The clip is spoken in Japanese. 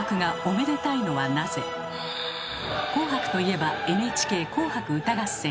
紅白といえば「ＮＨＫ紅白歌合戦」。